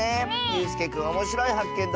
ゆうすけくんおもしろいはっけん